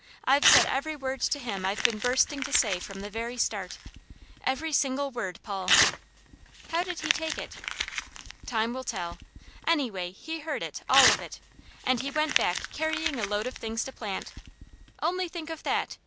I've said every word to him I've been bursting to say from the very start. Every single word, Paul!" "How did he take it?" "Time will tell. Anyway, he heard it, all of it, and he went back carrying a load of things to plant. Only think of that!